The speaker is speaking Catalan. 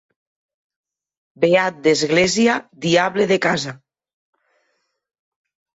Beat d'església, diable de casa.